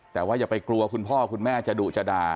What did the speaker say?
แต่ว่าอย่าไปกลัวคุณพ่อคุณแม่จะดุจะด่า